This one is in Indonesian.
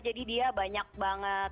jadi dia banyak banget ikut inovasi